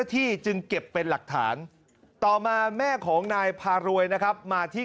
ที่จึงเก็บเป็นหลักฐานต่อมาแม่ของนายพารวยนะครับมาที่